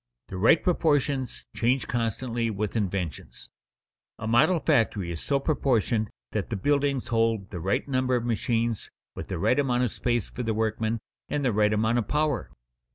The right proportions change constantly with inventions. A model factory is so proportioned that the buildings hold the right number of machines, with the right amount of space for the workmen, and the right amount of power.